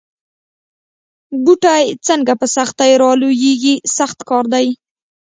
بوټی څنګه په سختۍ را لویېږي سخت کار دی.